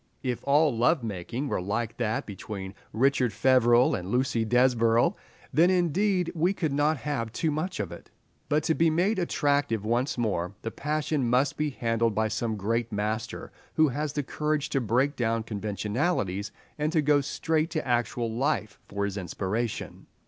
If all love making were like that between Richard Feverel and Lucy Desborough, then indeed we could not have too much of it; but to be made attractive once more, the passion must be handled by some great master who has courage to break down conventionalities and to go straight to actual life for his inspiration.